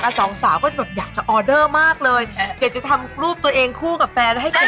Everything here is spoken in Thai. สองสาวก็แบบอยากจะออเดอร์มากเลยอยากจะทำรูปตัวเองคู่กับแฟนให้เก่ง